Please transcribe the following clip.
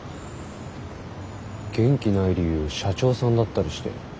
元気ない理由社長さんだったりして。